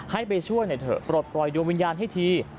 ให้ไปช่วยหน่อยเถอะปลดปล่อยดวงวิญญาณให้ที